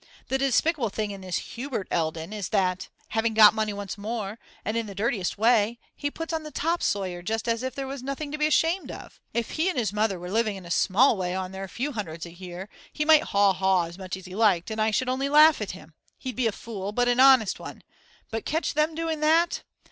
The despicable thing in this Hubert Eldon is that, having got money once more, and in the dirtiest way, he puts on the top sawyer just as if there was nothing to be ashamed of. If he and his mother were living in a small way on their few hundreds a year, he might haw haw as much as he liked, and I should only laugh at him; he'd be a fool, but an honest one. But catch them doing that!